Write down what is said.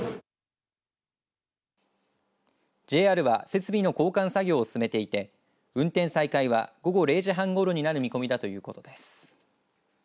ＪＲは設備の交換作業を進めていて運転再開は午後０時半ごろになる見込みだということです。